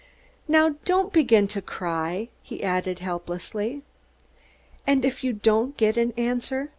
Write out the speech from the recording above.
Now, don't begin to cry," he added helplessly. "And if you don't get an answer?"